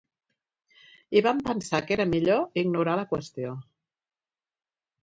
I van pensar que era millor ignorar la qüestió.